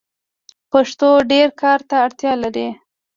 پښتو ډير کار ته اړتیا لري.